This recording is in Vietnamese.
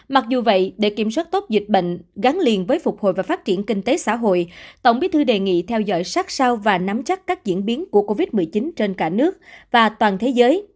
mặc dù vậy để kiểm soát tốt dịch bệnh gắn liền với phục hồi và phát triển kinh tế xã hội tổng bí thư đề nghị theo dõi sát sao và nắm chắc các diễn biến của covid một mươi chín trên cả nước và toàn thế giới